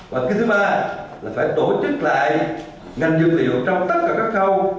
và cái thứ ba là phải tổ chức lại ngành dược liệu trong tất cả các khâu